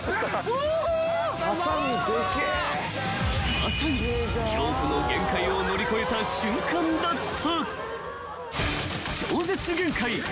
［まさに恐怖の限界を乗り越えた瞬間だった］